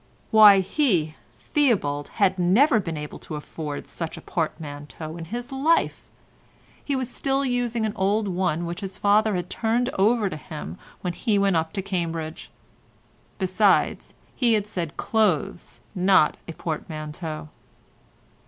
Why he, Theobald, had never been able to afford such a portmanteau in his life. He was still using an old one which his father had turned over to him when he went up to Cambridge. Besides, he had said clothes, not a portmanteau.